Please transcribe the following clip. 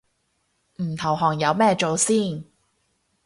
唔投降有咩做先